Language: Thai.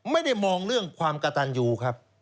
ไม่ได้มองเรื่องความกระตันยูครับ